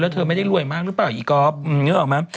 เธอไม่ได้รวยมากหรือเปล่าอีก๊อฟนึกออกไหม